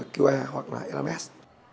qa hoặc là lms